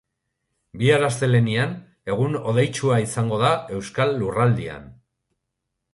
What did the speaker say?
Bihar, astelehenean, egun hodeitsua izango da euskal lurraldean.